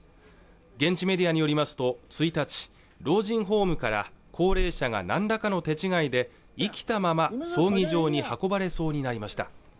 現地メディアによりますと１日老人ホームから高齢者が何らかの手違いで生きたまま葬儀場に運ばれそうになりました